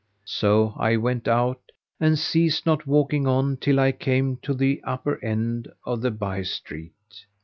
So I went out and ceased not walking on till I came to the upper end of the by street.